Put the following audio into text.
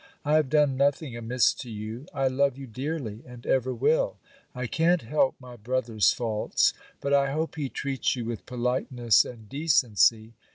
I have done nothing amiss to you! I love you dearly, and ever will. I can't help my brother's faults. But I hope he treats you with politeness and decency.